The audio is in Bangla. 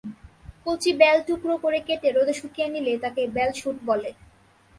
কচি বেল টুকরা করে কেটে রোদে শুকিয়ে নিলে তাকে বেল শুট বলে।